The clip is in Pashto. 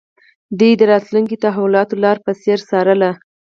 دوی د راتلونکو تحولاتو لاره په ځیر څارله